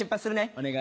お願い。